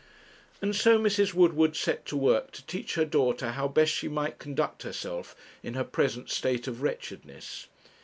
And so Mrs. Woodward set to work to teach her daughter how best she might conduct herself in her present state of wretchedness.